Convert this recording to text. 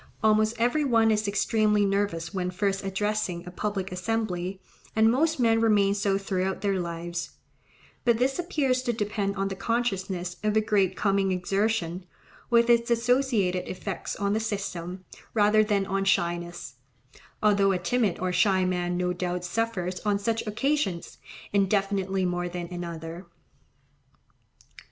Almost every one is extremely nervous when first addressing a public assembly, and most men remain so throughout their lives; but this appears to depend on the consciousness of a great coming exertion, with its associated effects on the system, rather than on shyness; although a timid or shy man no doubt suffers on such occasions infinitely more than another.